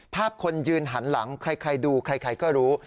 คนยืนหันหลังใครดูใครก็รู้